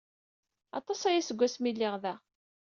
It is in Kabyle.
Aṭas aya seg wasmi ay lliɣ da.